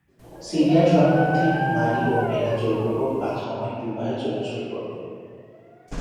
সিরিয়ার শরণার্থী নারী ও মেয়েরা জোরপূর্বক বা "সাময়িক বিবাহ" এর জন্য ঝুঁকিপূর্ণ।